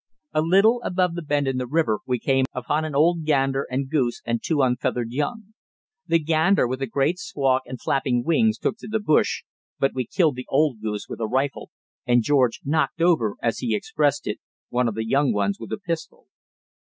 A little above the bend in the river we came upon an old gander and goose and two unfeathered young. The gander with a great squawk and flapping wings took to the bush, but we killed the old goose with a rifle, and George "knocked over," as he expressed it, one of the young ones with a pistol.